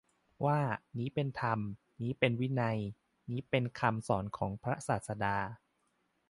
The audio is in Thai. ว่า นี้เป็นธรรม นี้เป็นวินัย นี้เป็นคำสอนของพระศาสดา